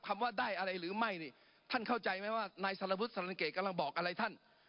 คำว่าได้อะไรหรือไม่นี่ท่านเข้าใจไหมว่านายสารวุฒิสันเกษกำลังบอกอะไรท่าน